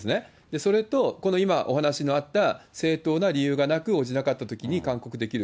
それとこの今、お話のあった正当な理由がなく応じなかったときに、勧告できる。